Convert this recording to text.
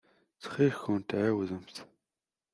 Ttxil-kent ɛiwdemt.